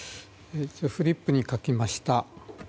フリップに書きました。